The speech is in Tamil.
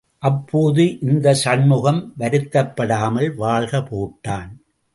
அப்போது இந்த சண்முகம் வருத்தப்படாமல் வாழ்க போட்டான்.